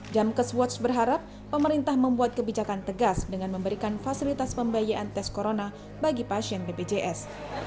jamkes watch berharap pemerintah membuat kebijakan tegas dengan memberikan fasilitas pembayaran tes corona bagi pasien bpjs